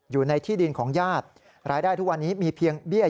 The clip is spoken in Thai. อยู่ในที่ดินของญาติรายได้ทุกวันนี้มีเพียงเบี้ย